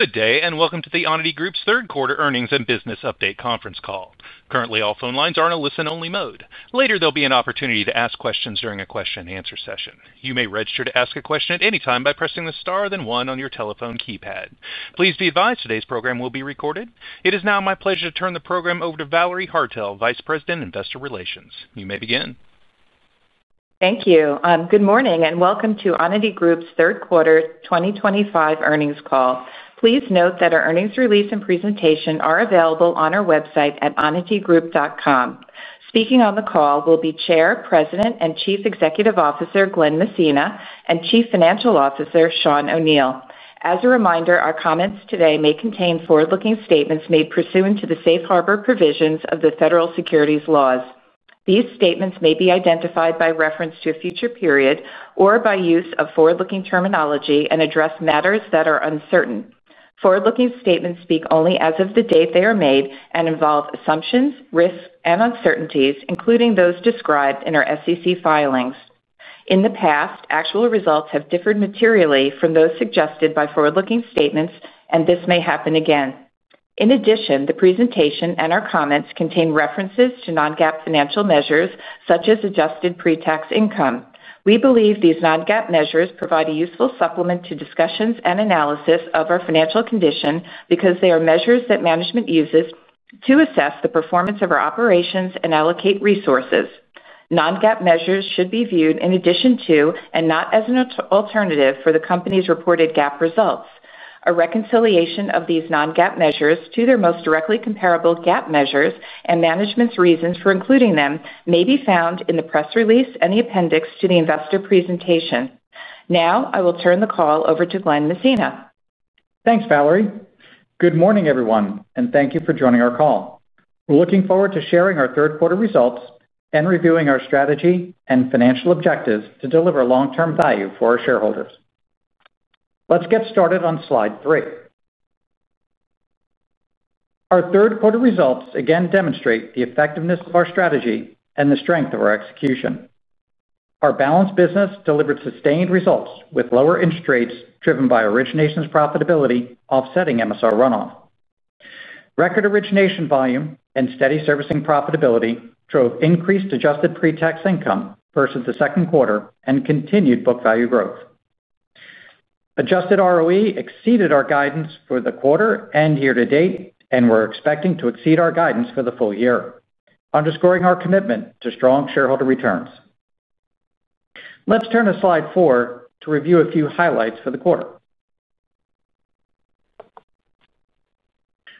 Good day, and welcome to the Onity Group's third quarter earnings and business update conference call. Currently, all phone lines are in a listen-only mode. Later, there'll be an opportunity to ask questions during a question-and-answer session. You may register to ask a question at any time by pressing the star then one on your telephone keypad. Please be advised today's program will be recorded. It is now my pleasure to turn the program over to Valerie Haertel, Vice President, Investor Relations. You may begin. Thank you. good morning, and welcome to Onity Group's third quarter 2025 earnings call. Please note that our earnings release and presentation are available on our website at onitygroup.com. Speaking on the call will be Chair, President, and Chief Executive Officer Glen Messina, and Chief Financial Officer Sean O'Neil. As a reminder, our comments today may contain forward-looking statements made pursuant to the safe harbor provisions of the federal securities laws. These statements may be identified by reference to a future period or by use of forward-looking terminology and address matters that are uncertain. Forward-looking statements speak only as of the date they are made and involve assumptions, risks, and uncertainties, including those described in our SEC filings. In the past, actual results have differed materially from those suggested by forward-looking statements, and this may happen again. In addition, the presentation and our comments contain references to non-GAAP financial measures such as adjusted pre-tax income. We believe these non-GAAP measures provide a useful supplement to discussions and analysis of our financial condition because they are measures that management uses to assess the performance of our operations and allocate resources. Non-GAAP measures should be viewed in addition to, and not as an alternative for the company's reported GAAP results. A reconciliation of these non-GAAP measures to their most directly comparable GAAP measures and management's reasons for including them may be found in the press release and the appendix to the investor presentation. Now, I will turn the call over to Glen Messina. Thanks, Valerie. Good morning, everyone, and thank you for joining our call. We're looking forward to sharing our third quarter results and reviewing our strategy and financial objectives to deliver long-term value for our shareholders. Let's get started on slide three. Our third quarter results again demonstrate the effectiveness of our strategy and the strength of our execution. Our balanced business delivered sustained results with lower interest rates driven by origination's profitability offsetting MSR runoff. Record origination volume and steady servicing profitability drove increased adjusted pre-tax income versus the second quarter and continued book value growth. Adjusted ROE exceeded our guidance for the quarter and year-to-date, and we're expecting to exceed our guidance for the full year, underscoring our commitment to strong shareholder returns. Let's turn to slide four to review a few highlights for the quarter.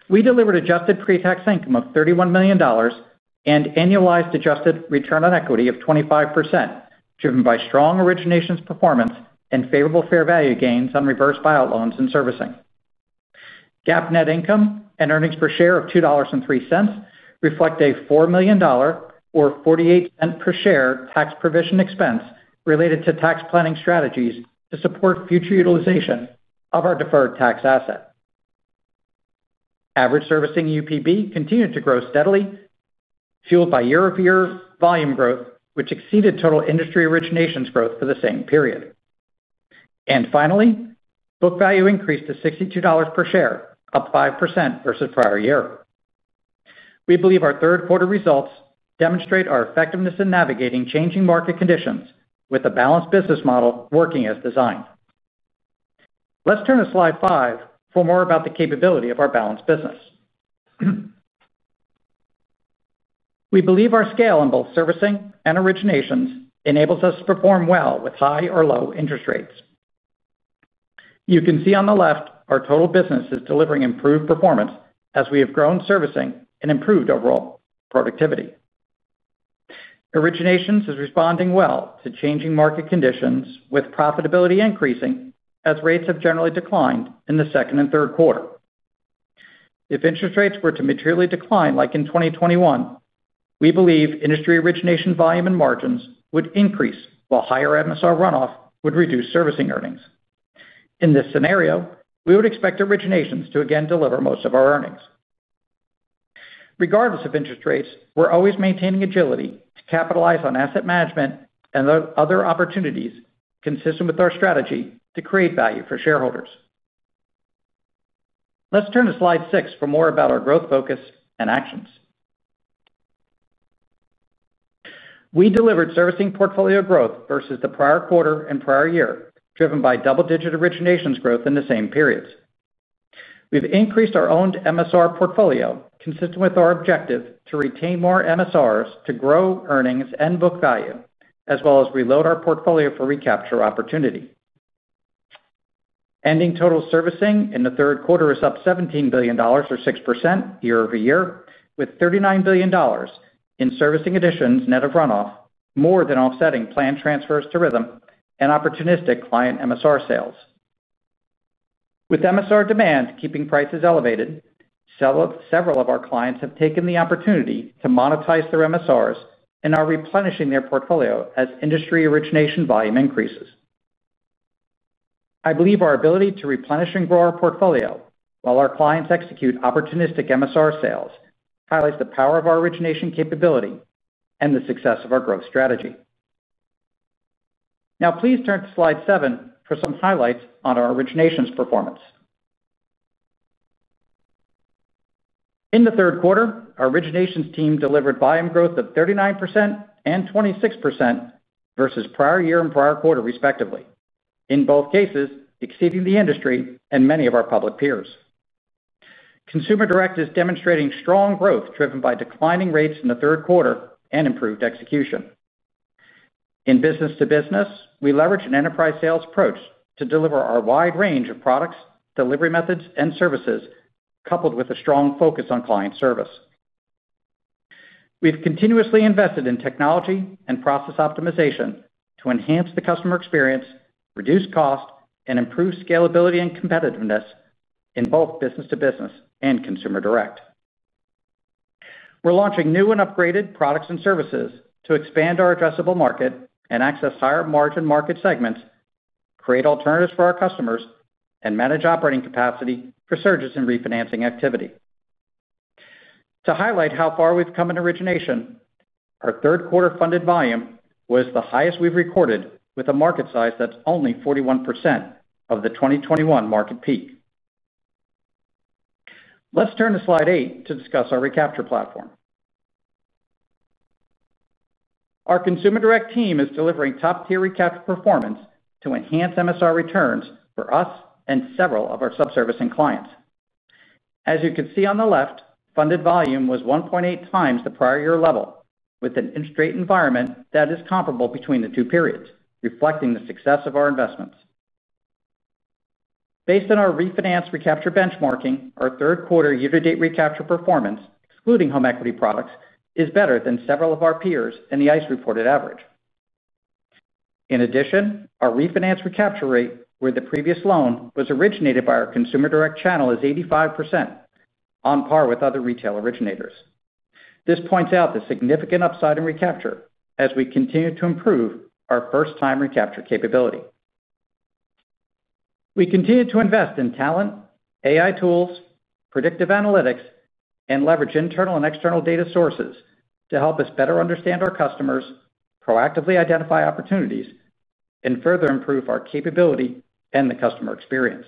We delivered adjusted pre-tax income of $31 million and annualized adjusted return on equity of 25%, driven by strong originations performance and favorable fair value gains on reverse buyout loans and servicing. GAAP net income and earnings per share of $2.03 reflect a $4 million, or $0.48 per share, tax provision expense related to tax planning strategies to support future utilization of our deferred tax asset. Average servicing UPB continued to grow steadily, fueled by year-over-year volume growth, which exceeded total industry originations growth for the same period. Finally, book value increased to $62 per share, up 5% versus prior year. We believe our third quarter results demonstrate our effectiveness in navigating changing market conditions with a balanced business model working as designed. Let's turn to slide five for more about the capability of our balanced business. We believe our scale in both servicing and originations enables us to perform well with high or low interest rates. You can see on the left our total business is delivering improved performance as we have grown servicing and improved overall productivity. Originations is responding well to changing market conditions with profitability increasing as rates have generally declined in the second and third quarter. If interest rates were to materially decline, like in 2021, we believe industry origination volume and margins would increase while higher MSR runoff would reduce servicing earnings. In this scenario, we would expect originations to again deliver most of our earnings. Regardless of interest rates, we're always maintaining agility to capitalize on asset management and other opportunities consistent with our strategy to create value for shareholders. Let's turn to slide six for more about our growth focus and actions. We delivered servicing portfolio growth versus the prior quarter and prior year, driven by double-digit originations growth in the same periods. We've increased our owned MSR portfolio consistent with our objective to retain more MSRs to grow earnings and book value, as well as reload our portfolio for recapture opportunity. Ending total servicing in the third quarter is up $17 billion, or 6%, year over year, with $39 billion. In servicing additions net of runoff, more than offsetting planned transfers to Rithm and opportunistic client MSR sales. With MSR demand keeping prices elevated, several of our clients have taken the opportunity to monetize their MSRs and are replenishing their portfolio as industry origination volume increases. I believe our ability to replenish and grow our portfolio while our clients execute opportunistic MSR sales highlights the power of our origination capability and the success of our growth strategy. Now, please turn to slide seven for some highlights on our origination's performance. In the third quarter, our origination's team delivered volume growth of 39% and 26% versus prior year and prior quarter, respectively, in both cases exceeding the industry and many of our public peers. ConsumerDirect is demonstrating strong growth driven by declining rates in the third quarter and improved execution. In business to business, we leverage an enterprise sales approach to deliver our wide range of products, delivery methods, and services, coupled with a strong focus on client service. We've continuously invested in technology and process optimization to enhance the customer experience, reduce cost, and improve scalability and competitiveness in both business to business and ConsumerDirect. We're launching new and upgraded products and services to expand our addressable market and access higher margin market segments, create alternatives for our customers, and manage operating capacity for surges in refinancing activity. To highlight how far we've come in origination, our third quarter funded volume was the highest we've recorded with a market size that's only 41% of the 2021 market peak. Let's turn to slide eight to discuss our recapture platform. Our ConsumerDirect team is delivering top-tier recapture performance to enhance MSR returns for us and several of our sub-servicing clients. As you can see on the left, funded volume was 1.8 times the prior year level with an interest rate environment that is comparable between the two periods, reflecting the success of our investments. Based on our refinance recapture benchmarking, our third quarter year-to-date recapture performance, excluding home equity products, is better than several of our peers and the ICE reported average. In addition, our refinance recapture rate, where the previous loan was originated by our ConsumerDirect channel, is 85%. On par with other retail originators. This points out the significant upside in recapture as we continue to improve our first-time recapture capability. We continue to invest in talent, AI tools, predictive analytics, and leverage internal and external data sources to help us better understand our customers, proactively identify opportunities, and further improve our capability and the customer experience.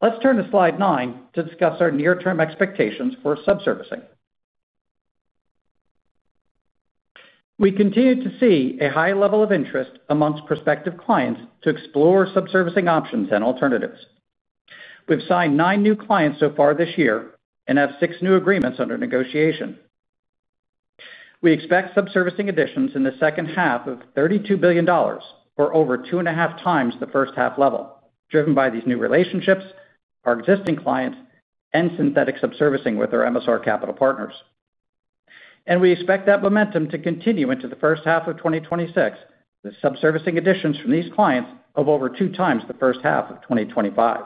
Let's turn to slide nine to discuss our near-term expectations for sub-servicing. We continue to see a high level of interest amongst prospective clients to explore sub-servicing options and alternatives. We've signed nine new clients so far this year and have six new agreements under negotiation. We expect sub-servicing additions in the second half of $32 billion, or over two and a half times the first half level, driven by these new relationships, our existing clients, and synthetic sub-servicing with our MSR capital partners. We expect that momentum to continue into the first half of 2026 with sub-servicing additions from these clients of over two times the first half of 2025.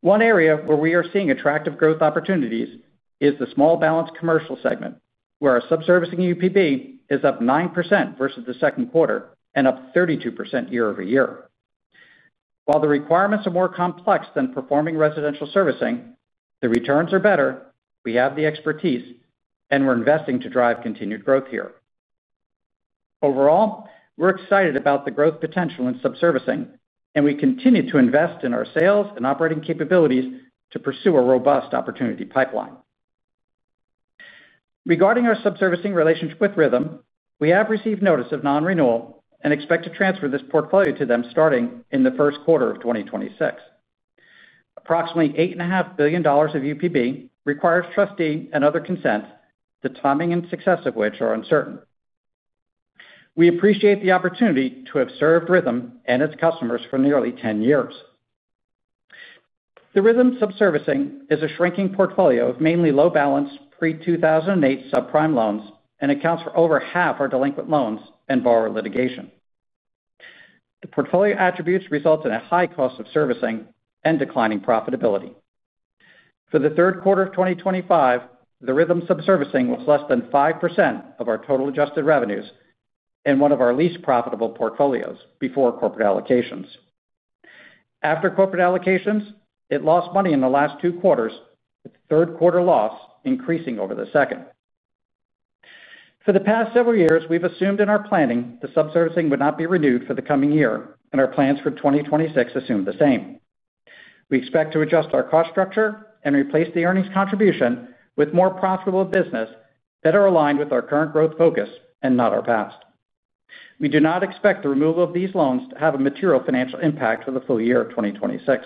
One area where we are seeing attractive growth opportunities is the small balance commercial segment, where our sub-servicing UPB is up 9% versus the second quarter and up 32% year-over-year. While the requirements are more complex than performing residential servicing, the returns are better, we have the expertise, and we're investing to drive continued growth here. Overall, we're excited about the growth potential in sub-servicing, and we continue to invest in our sales and operating capabilities to pursue a robust opportunity pipeline. Regarding our sub-servicing relationship with Rithm, we have received notice of non-renewal and expect to transfer this portfolio to them starting in the first quarter of 2026. Approximately $8.5 billion of UPB requires trustee and other consent, the timing and success of which are uncertain. We appreciate the opportunity to have served Rithm and its customers for nearly 10 years. The Rithm sub-servicing is a shrinking portfolio of mainly low-balance pre-2008 subprime loans and accounts for over half our delinquent loans and borrower litigation. The portfolio attributes result in a high cost of servicing and declining profitability. For the third quarter of 2025, the Rithm sub-servicing was less than 5% of our total adjusted revenues and one of our least profitable portfolios before corporate allocations. After corporate allocations, it lost money in the last two quarters, with third-quarter loss increasing over the second. For the past several years, we've assumed in our planning the sub-servicing would not be renewed for the coming year, and our plans for 2026 assumed the same. We expect to adjust our cost structure and replace the earnings contribution with more profitable business better aligned with our current growth focus and not our past. We do not expect the removal of these loans to have a material financial impact for the full year of 2026.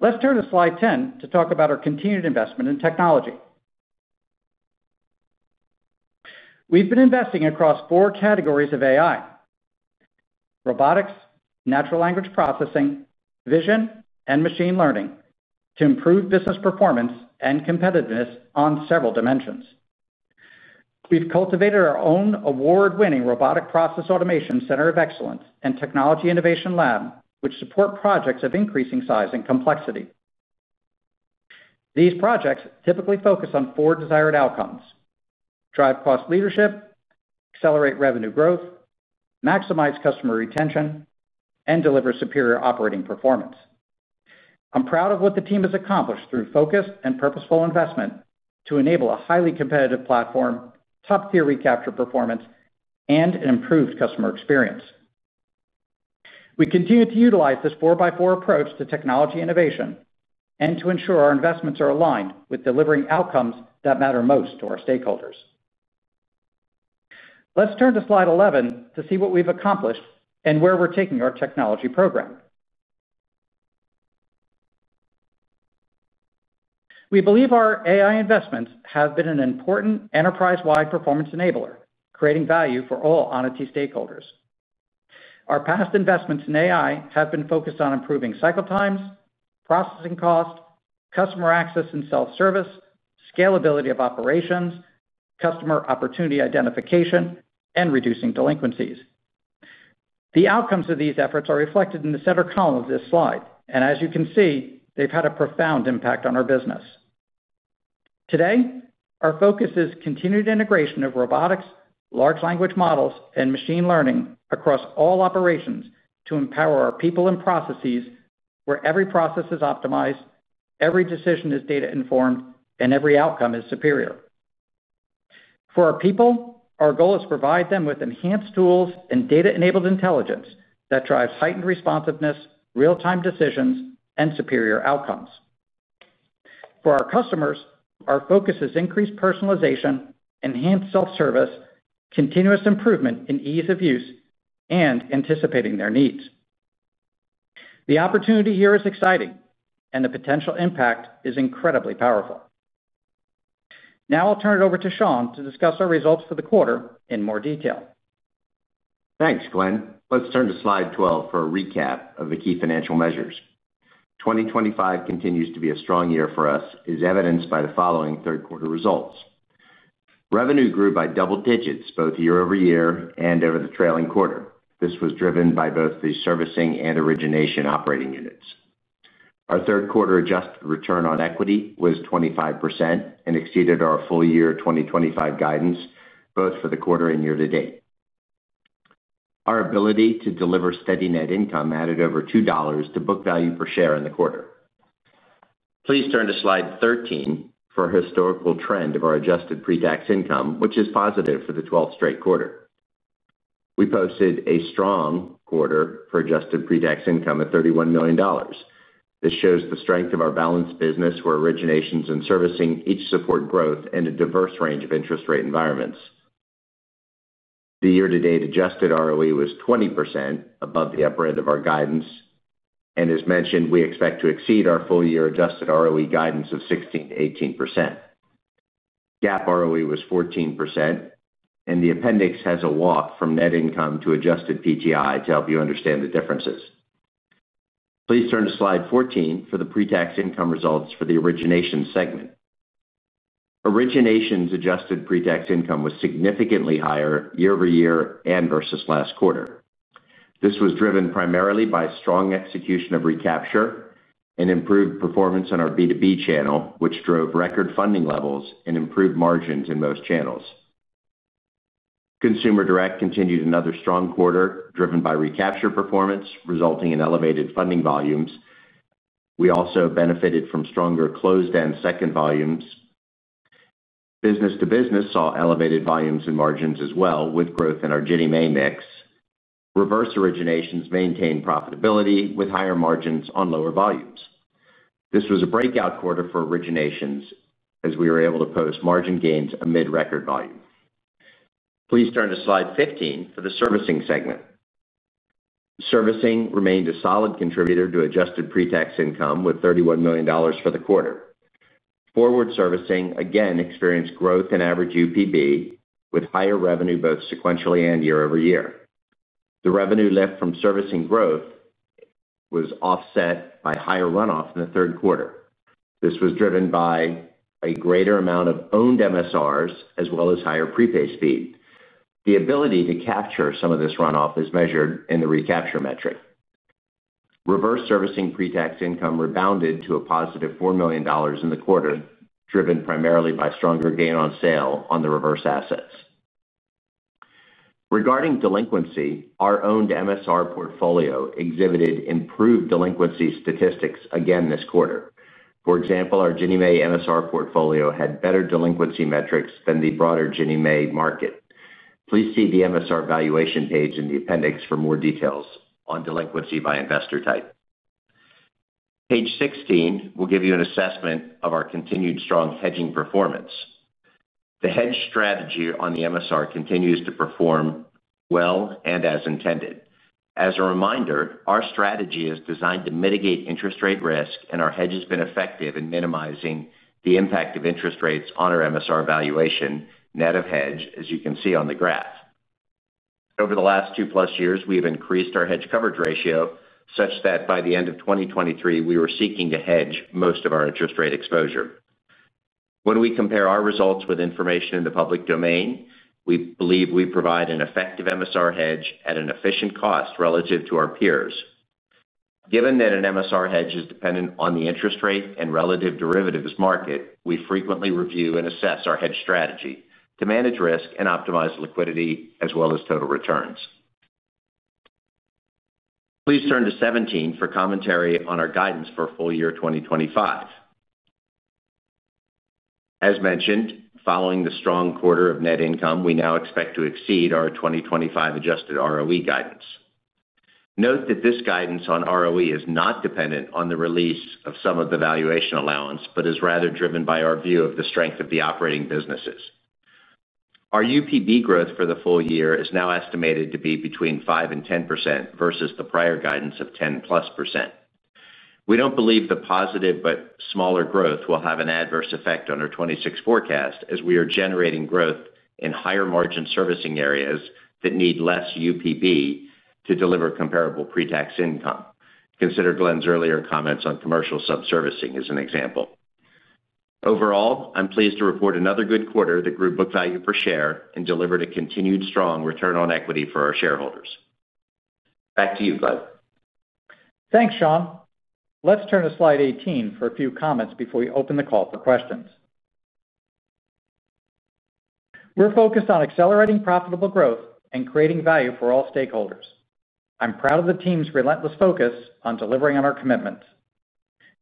Let's turn to slide 10 to talk about our continued investment in technology. We've been investing across four categories of AI. Robotics, natural language processing, vision, and machine learning to improve business performance and competitiveness on several dimensions. We've cultivated our own award-winning Robotic Process Automation Center of Excellence and Technology Innovation Lab, which support projects of increasing size and complexity. These projects typically focus on four desired outcomes: drive cost leadership, accelerate revenue growth, maximize customer retention, and deliver superior operating performance. I'm proud of what the team has accomplished through focused and purposeful investment to enable a highly competitive platform, top-tier recapture performance, and an improved customer experience. We continue to utilize this four-by-four approach to technology innovation and to ensure our investments are aligned with delivering outcomes that matter most to our stakeholders. Let's turn to slide 11 to see what we've accomplished and where we're taking our technology program. We believe our AI investments have been an important enterprise-wide performance enabler, creating value for all Onity stakeholders. Our past investments in AI have been focused on improving cycle times, processing cost, customer access and self-service, scalability of operations, customer opportunity identification, and reducing delinquencies. The outcomes of these efforts are reflected in the center column of this slide, and as you can see, they've had a profound impact on our business. Today, our focus is continued integration of robotics, large language models, and machine learning across all operations to empower our people and processes where every process is optimized, every decision is data-informed, and every outcome is superior. For our people, our goal is to provide them with enhanced tools and data-enabled intelligence that drives heightened responsiveness, real-time decisions, and superior outcomes. For our customers, our focus is increased personalization, enhanced self-service, continuous improvement in ease of use, and anticipating their needs. The opportunity here is exciting, and the potential impact is incredibly powerful. Now I'll turn it over to Sean to discuss our results for the quarter in more detail. Thanks, Glen. Let's turn to slide 12 for a recap of the key financial measures. 2025 continues to be a strong year for us, as evidenced by the following third-quarter results. Revenue grew by double digits both year-over-year and over the trailing quarter. This was driven by both the servicing and origination operating units. Our third-quarter adjusted return on equity was 25% and exceeded our full year 2025 guidance both for the quarter and year-to-date. Our ability to deliver steady net income added over $2 to book value per share in the quarter. Please turn to slide 13 for a historical trend of our adjusted pre-tax income, which is positive for the 12th straight quarter. We posted a strong quarter for adjusted pre-tax income of $31 million. This shows the strength of our balanced business where originations and servicing each support growth in a diverse range of interest rate environments. The year-to-date adjusted ROE was 20% above the upper end of our guidance, and as mentioned, we expect to exceed our full year adjusted ROE guidance of 16%18%. GAAP ROE was 14%. And the appendix has a walk from net income to adjusted PTI to help you understand the differences. Please turn to slide 14 for the pre-tax income results for the origination segment. Originations' adjusted pre-tax income was significantly higher year-over-year and versus last quarter. This was driven primarily by strong execution of recapture and improved performance on our B2B channel, which drove record funding levels and improved margins in most channels. ConsumerDirect continued another strong quarter driven by recapture performance, resulting in elevated funding volumes. We also benefited from stronger closed-end second volumes. Business to business saw elevated volumes and margins as well with growth in our Ginnie Mae mix. Reverse originations maintained profitability with higher margins on lower volumes. This was a breakout quarter for originations as we were able to post margin gains amid record volume. Please turn to slide 15 for the servicing segment. Servicing remained a solid contributor to adjusted pre-tax income with $31 million for the quarter. Forward servicing again experienced growth in average UPB with higher revenue both sequentially and year-over-year. The revenue lift from servicing growth. Was offset by higher runoff in the third quarter. This was driven by a greater amount of owned MSRs as well as higher prepay speed. The ability to capture some of this runoff is measured in the recapture metric. Reverse servicing pre-tax income rebounded to a positive $4 million in the quarter, driven primarily by stronger gain on sale on the reverse assets. Regarding delinquency, our owned MSR portfolio exhibited improved delinquency statistics again this quarter. For example, our Ginnie Mae MSR portfolio had better delinquency metrics than the broader Ginnie Mae market. Please see the MSR valuation page in the appendix for more details on delinquency by investor type. Page 16 will give you an assessment of our continued strong hedging performance. The hedge strategy on the MSR continues to perform. Well and as intended. As a reminder, our strategy is designed to mitigate interest rate risk, and our hedge has been effective in minimizing the impact of interest rates on our MSR valuation net of hedge, as you can see on the graph. Over the last two-plus years, we have increased our hedge coverage ratio such that by the end of 2023, we were seeking to hedge most of our interest rate exposure. When we compare our results with information in the public domain, we believe we provide an effective MSR hedge at an efficient cost relative to our peers. Given that an MSR hedge is dependent on the interest rate and relative derivatives market, we frequently review and assess our hedge strategy to manage risk and optimize liquidity as well as total returns. Please turn to 17 for commentary on our guidance for full year 2025. As mentioned, following the strong quarter of net income, we now expect to exceed our 2025 adjusted ROE guidance. Note that this guidance on ROE is not dependent on the release of some of the valuation allowance but is rather driven by our view of the strength of the operating businesses. Our UPB growth for the full year is now estimated to be between 5% and 10% versus the prior guidance of 10-plus percent. We don't believe the positive but smaller growth will have an adverse effect on our 2026 forecast as we are generating growth in higher-margin servicing areas that need less UPB to deliver comparable pre-tax income. Consider Glen's earlier comments on commercial sub-servicing as an example. Overall, I'm pleased to report another good quarter that grew book value per share and delivered a continued strong return on equity for our shareholders. Back to you, Glen. Thanks, Sean. Let's turn to slide 18 for a few comments before we open the call for questions. We're focused on accelerating profitable growth and creating value for all stakeholders. I'm proud of the team's relentless focus on delivering on our commitments.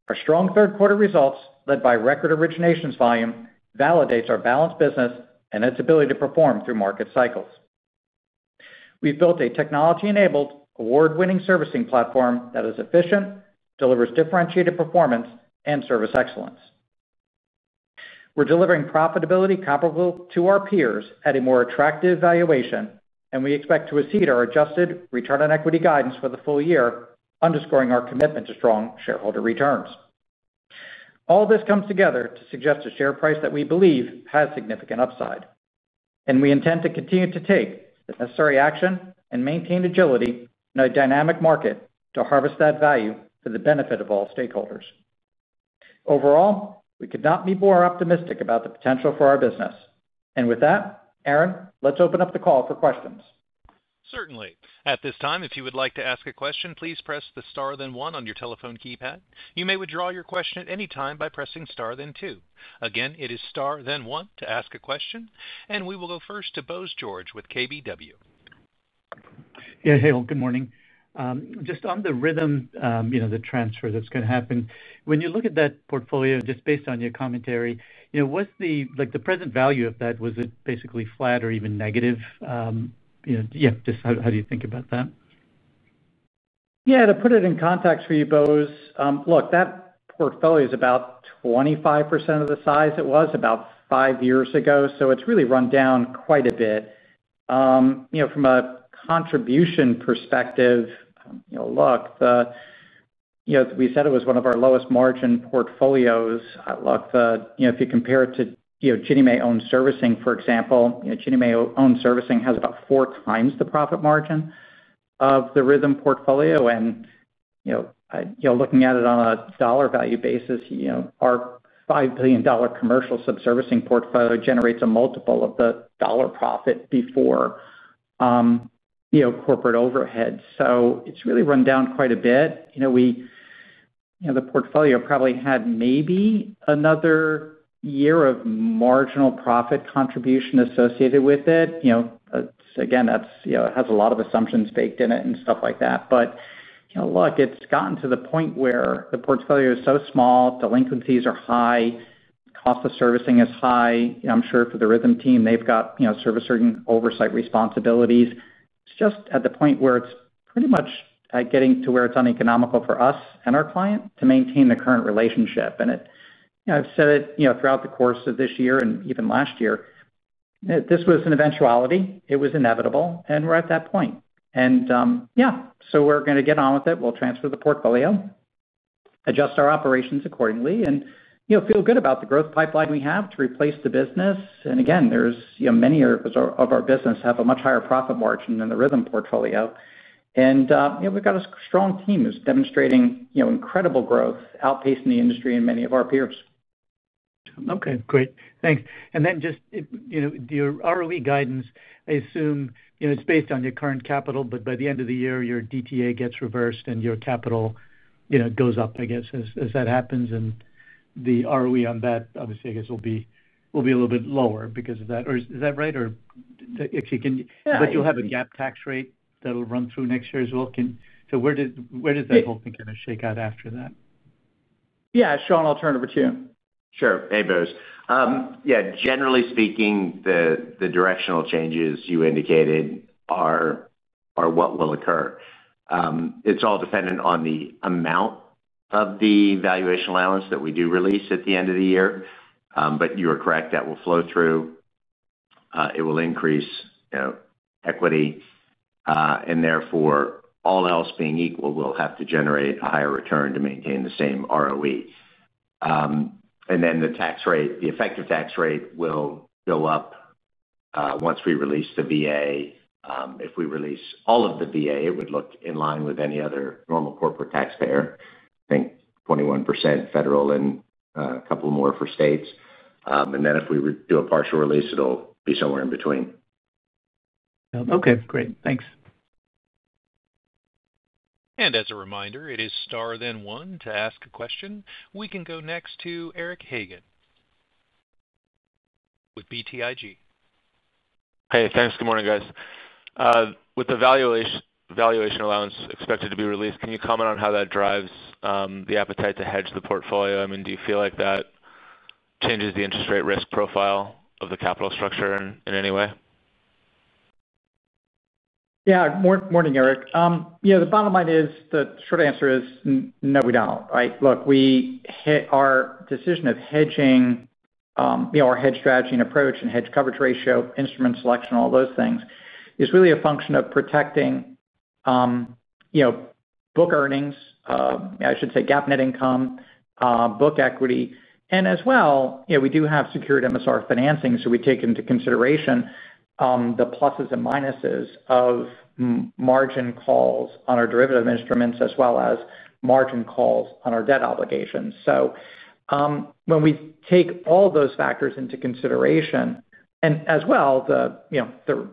Our strong third-quarter results led by record originations volume validate our balanced business and its ability to perform through market cycles. We've built a technology-enabled award-winning servicing platform that is efficient, delivers differentiated performance, and service excellence. We're delivering profitability comparable to our peers at a more attractive valuation, and we expect to exceed our adjusted return on equity guidance for the full year, underscoring our commitment to strong shareholder returns. All this comes together to suggest a share price that we believe has significant upside, and we intend to continue to take the necessary action and maintain agility in a dynamic market to harvest that value for the benefit of all stakeholders. Overall, we could not be more optimistic about the potential for our business. And with that, Aaron, let's open up the call for questions. Certainly. At this time, if you would like to ask a question, please press the star then one on your telephone keypad. You may withdraw your question at any time by pressing star then two. Again, it is star then one to ask a question, and we will go first to Bose George with KBW. Yeah, hey, good morning. Just on the Rithm, the transfer that's going to happen, when you look at that portfolio, just based on your commentary, what's the present value of that? Was it basically flat or even negative? Yeah, just how do you think about that? Yeah, to put it in context for you, Bose, look, that portfolio is about 25% of the size it was about five years ago, so it's really run down quite a bit. From a contribution perspective, look. We said it was one of our lowest-margin portfolios. Look, if you compare it to Ginnie Mae Owned Servicing, for example, Ginnie Mae Owned Servicing has about four times the profit margin of the Rithm portfolio. And. Looking at it on a dollar-value basis, our $5 billion commercial sub-servicing portfolio generates a multiple of the dollar profit before. Corporate overhead. So it's really run down quite a bit. The portfolio probably had maybe another. Year of marginal profit contribution associated with it. Again, it has a lot of assumptions baked in it and stuff like that. But look, it's gotten to the point where the portfolio is so small, delinquencies are high, cost of servicing is high. I'm sure for the Rithm team, they've got service oversight responsibilities. It's just at the point where it's pretty much getting to where it's uneconomical for us and our client to maintain the current relationship. And I've said it throughout the course of this year and even last year. This was an eventuality. It was inevitable, and we're at that point. And yeah, so we're going to get on with it. We'll transfer the portfolio. Adjust our operations accordingly, and feel good about the growth pipeline we have to replace the business. And again, many areas of our business have a much higher profit margin than the Rithm portfolio. And we've got a strong team who's demonstrating incredible growth, outpacing the industry and many of our peers. Okay, great. Thanks. And then just. Your ROE guidance, I assume it's based on your current capital, but by the end of the year, your DTA gets reversed and your capital. Goes up, I guess, as that happens. And the ROE on that, obviously, I guess, will be a little bit lower because of that. Is that right? Or if you can. But you'll have a gap tax rate that'll run through next year as well. So where does that whole thing kind of shake out after that? Yeah, Sean, I'll turn it over to you. Sure. Hey, Bose. Yeah, generally speaking, the directional changes you indicated are. What will occur. It's all dependent on the amount of the valuation allowance that we do release at the end of the year. But you are correct, that will flow through. It will increase. Equity. And therefore, all else being equal, we'll have to generate a higher return to maintain the same ROE. And then the effective tax rate will go up. Once we release the VA. If we release all of the VA, it would look in line with any other normal corporate taxpayer. I think 21% federal and a couple more for states. And then if we do a partial release, it'll be somewhere in between. Okay, great. Thanks. And as a reminder, it is star then one to ask a question. We can go next to Eric Hagen. With BTIG. Hey, thanks. Good morning, guys. With the valuation allowance expected to be released, can you comment on how that drives the appetite to hedge the portfolio? I mean, do you feel like that. Changes the interest rate risk profile of the capital structure in any way? Yeah, morning, Eric. The bottom line is the short answer is no, we don't. Look, our decision of hedging. Our hedge strategy and approach and hedge coverage ratio, instrument selection, all those things is really a function of protecting. Book earnings, I should say, gap net income, book equity. And as well, we do have secured MSR financing, so we take into consideration. The pluses and minuses of. Margin calls on our derivative instruments as well as margin calls on our debt obligations. So. When we take all those factors into consideration. And as well. The.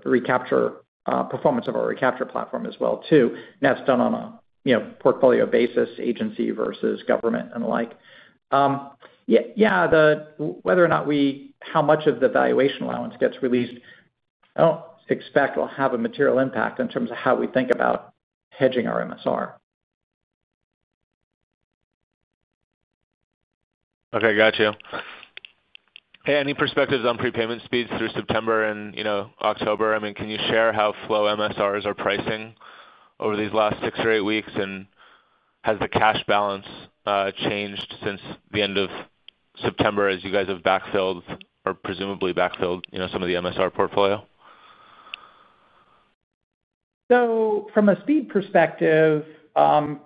Recapture performance of our recapture platform as well, too. And that's done on a portfolio basis, agency versus government and the like. Yeah, whether or not how much of the valuation allowance gets released, I don't expect it will have a material impact in terms of how we think about hedging our MSR. Okay, got you. Any perspectives on prepayment speeds through September and October? I mean, can you share how flow MSRs are pricing over these last six or eight weeks? And has the cash balance changed since the end of September as you guys have backfilled or presumably backfilled some of the MSR portfolio? So from a speed perspective. Sean,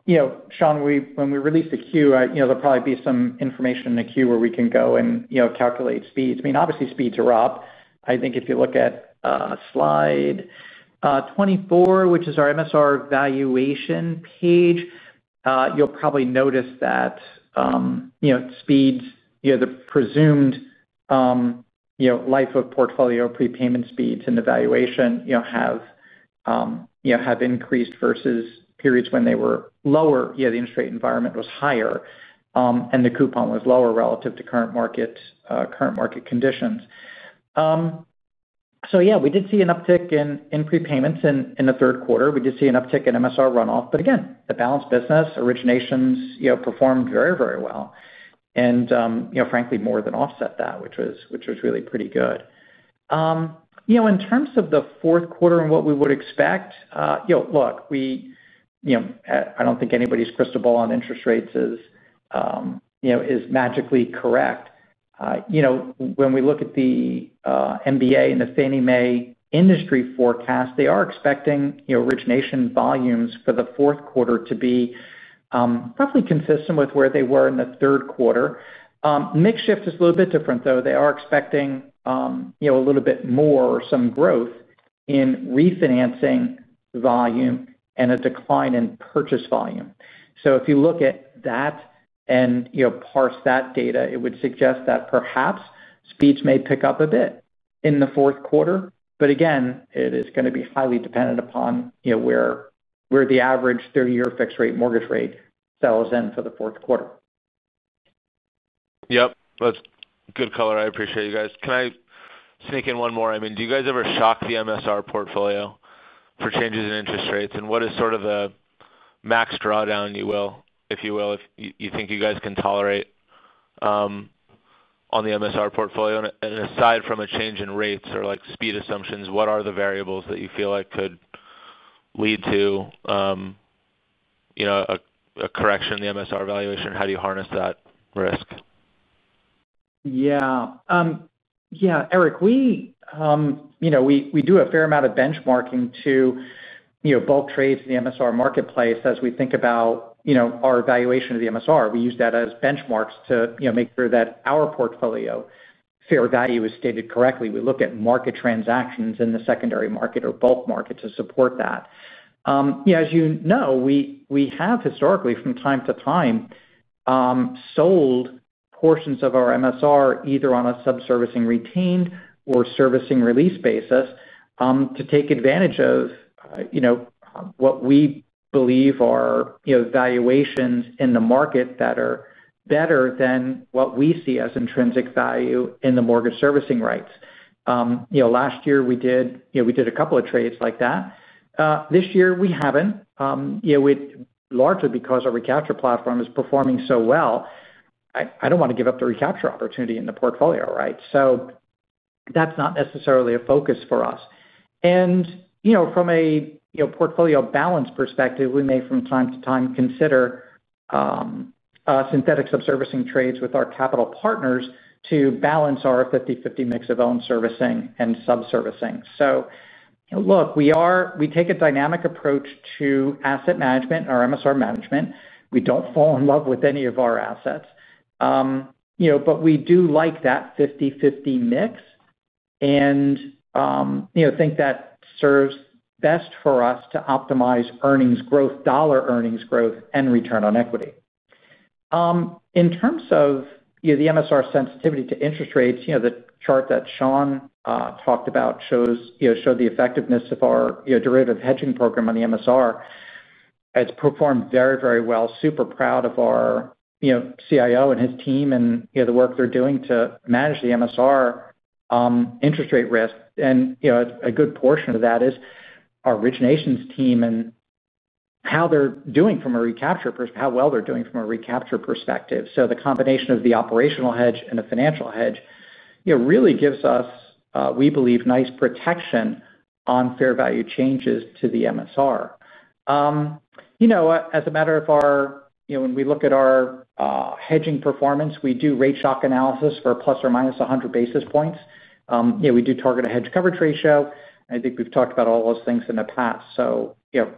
when we release the queue, there'll probably be some information in the queue where we can go and calculate speeds. I mean, obviously, speeds are up. I think if you look at. Slide 24, which is our MSR valuation page, you'll probably notice that. Speeds, the presumed. Life of portfolio prepayment speeds and evaluation have. Increased versus periods when they were lower. The interest rate environment was higher. And the coupon was lower relative to current market. Conditions. So yeah, we did see an uptick in prepayments in the third quarter. We did see an uptick in MSR runoff. But again, the balanced business originations performed very, very well. And frankly, more than offset that, which was really pretty good. In terms of the fourth quarter and what we would expect, look. I don't think anybody's crystal ball on interest rates is. Magically correct. When we look at the. MBA and the Thiny Mae industry forecast, they are expecting origination volumes for the fourth quarter to be. Roughly consistent with where they were in the third quarter. Mixed shift is a little bit different, though. They are expecting a little bit more or some growth in refinancing volume and a decline in purchase volume. So if you look at that. And parse that data, it would suggest that perhaps speeds may pick up a bit in the fourth quarter. But again, it is going to be highly dependent upon where the average 30-year fixed-rate mortgage rate settles in for the fourth quarter. Yep. That's good color. I appreciate you guys. Can I sneak in one more? I mean, do you guys ever shock the MSR portfolio for changes in interest rates? And what is sort of the. Max drawdown, if you will, if you think you guys can tolerate. On the MSR portfolio? And aside from a change in rates or speed assumptions, what are the variables that you feel like could. Lead to. A correction in the MSR valuation? How do you harness that risk? Yeah. Yeah, Eric, we. Do a fair amount of benchmarking to. Bulk trades in the MSR marketplace as we think about. Our evaluation of the MSR. We use that as benchmarks to make sure that our portfolio fair value is stated correctly. We look at market transactions in the secondary market or bulk market to support that. As you know, we have historically, from time to time, sold portions of our MSR either on a sub-servicing retained or servicing release basis to take advantage of. What we believe are valuations in the market that are better than what we see as intrinsic value in the mortgage servicing rights. Last year, we did a couple of trades like that. This year, we haven't. Largely because our recapture platform is performing so well. I don't want to give up the recapture opportunity in the portfolio, right? So. That's not necessarily a focus for us. And from a portfolio balance perspective, we may, from time to time, consider. Synthetic sub-servicing trades with our capital partners to balance our 50/50 mix of own servicing and sub-servicing. So look, we take a dynamic approach to asset management, our MSR management. We don't fall in love with any of our assets. But we do like that 50/50 mix. And. Think that serves best for us to optimize earnings growth, dollar earnings growth, and return on equity. In terms of the MSR sensitivity to interest rates, the chart that Sean talked about showed the effectiveness of our derivative hedging program on the MSR. It's performed very, very well. Super proud of our. CIO and his team and the work they're doing to manage the MSR. Interest rate risk. And a good portion of that is our originations team and. How they're doing from a recapture perspective, how well they're doing from a recapture perspective. So the combination of the operational hedge and the financial hedge really gives us, we believe, nice protection on fair value changes to the MSR. As a matter of fact, when we look at our hedging performance, we do rate shock analysis for plus or minus 100 basis points. We do target a hedge coverage ratio. I think we've talked about all those things in the past. So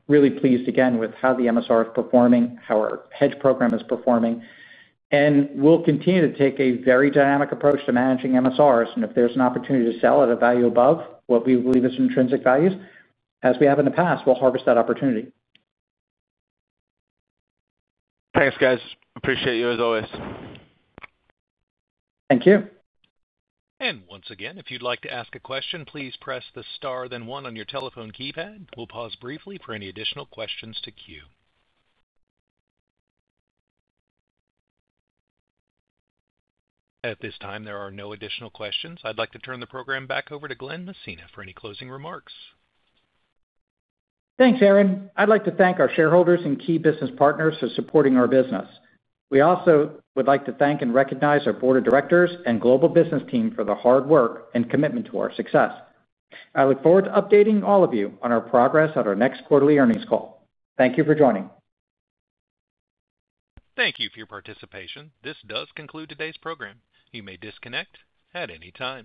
really pleased again with how the MSR is performing, how our hedge program is performing. And we'll continue to take a very dynamic approach to managing MSRs. And if there's an opportunity to sell at a value above what we believe is intrinsic values, as we have in the past, we'll harvest that opportunity. Thanks, guys. Appreciate you as always. Thank you. And once again, if you'd like to ask a question, please press the star then one on your telephone keypad. We'll pause briefly for any additional questions to queue. At this time, there are no additional questions. I'd like to turn the program back over to Glen Messina for any closing remarks. Thanks, Aaron. I'd like to thank our shareholders and key business partners for supporting our business. We also would like to thank and recognize our board of directors and global business team for the hard work and commitment to our success. I look forward to updating all of you on our progress at our next quarterly earnings call. Thank you for joining. Thank you for your participation. This does conclude today's program. You may disconnect at any time.